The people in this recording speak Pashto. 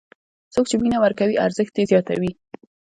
څوک چې مینه ورکوي، ارزښت یې زیاتوي.